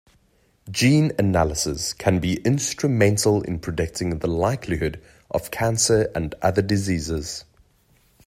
Gene analysis can be instrumental in predicting the likelihood of cancer and other diseases.